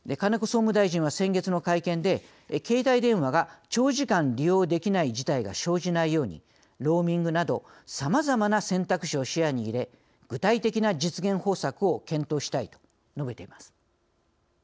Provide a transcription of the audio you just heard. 総務大臣は先月の会見で「携帯電話が長時間利用できない事態が生じないようにローミングなどさまざまな選択肢を視野に入れ具体的な実現方策を検討したい」と述べています。